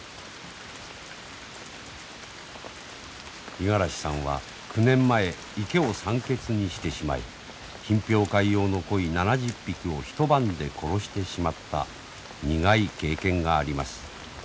五十嵐さんは９年前池を酸欠にしてしまい品評会用の鯉７０匹を一晩で殺してしまった苦い経験があります。